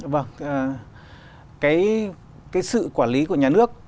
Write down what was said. vâng cái sự quản lý của nhà nước